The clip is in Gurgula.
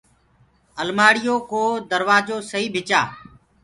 المآڙي يو ڪو دروآجو سئي ڀِچآ۔